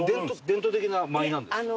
伝統的な舞なんですか？